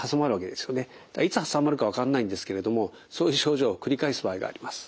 だからいつ挟まるか分かんないんですけれどもそういう症状を繰り返す場合があります。